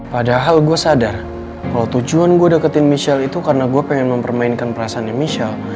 padahal gue sadar kalau tujuan gue deketin michelle itu karena gue pengen mempermainkan perasaan yang michelle